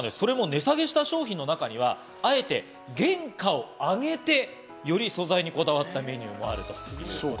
値下げした商品の中には、あえて原価を上げてより素材にこだわったメニューもあるそうです。